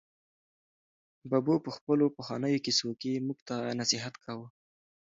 ببو په خپلو پخوانیو کیسو کې موږ ته نصیحت کاوه.